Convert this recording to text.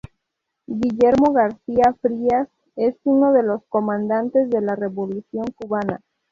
Guillermo García Frías es uno de los Comandantes de la Revolución Cubana.